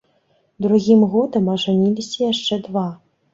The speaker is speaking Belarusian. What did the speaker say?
Другім годам ажаніліся яшчэ два.